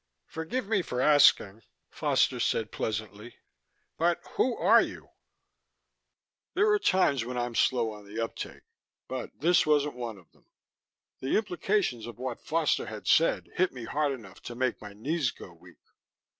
"Forgive me for asking," Foster said pleasantly, "But who are you?" There are times when I'm slow on the uptake, but this wasn't one of them. The implications of what Foster had said hit me hard enough to make my knees go weak.